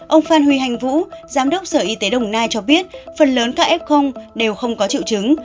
ông phan huy hành vũ giám đốc sở y tế đồng nai cho biết phần lớn các f đều không có triệu chứng